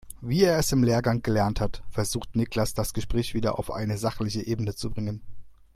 Wie er es im Lehrgang gelernt hat, versucht Niklas das Gespräch wieder auf eine sachliche Ebene zu bringen.